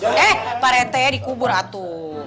eh pak rt ya dikubur atu